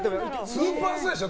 スーパースターでしょ。